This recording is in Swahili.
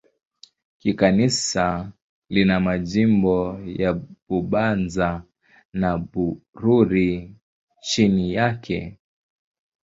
Kikanisa lina majimbo ya Bubanza na Bururi chini yake.